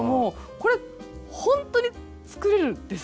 これほんとに作れるんですか？